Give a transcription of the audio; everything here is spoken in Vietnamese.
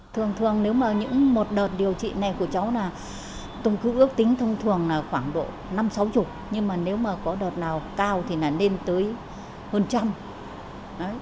thường thường nếu mà những một đợt điều trị này của cháu là tôi cứ ước tính thông thường là khoảng độ năm sáu mươi nhưng mà nếu mà có đợt nào cao thì là lên tới hơn trăm